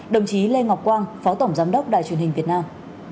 đồng chí lê ngọc quang phó tổng giám đốc đài truyền hình việt nam